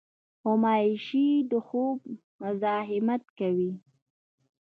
غوماشې د خوب مزاحمت کوي.